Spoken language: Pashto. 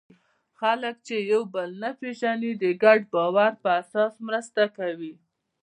خلک چې یو بل نه پېژني، د ګډ باور په اساس مرسته کوي.